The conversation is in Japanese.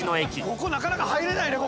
ここなかなか入れないね